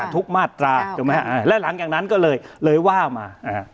ทุกมาตราถูกไหมฮะอ่าแล้วหลังจากนั้นก็เลยเลยว่ามาอ่า